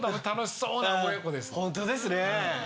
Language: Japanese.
ホントですねぇ。